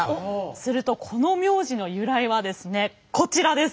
するとこの名字の由来はですねこちらです。